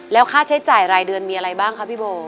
แล้วค่าใช้จ่ายรายเดือนมีอะไรบ้างคะพี่โบ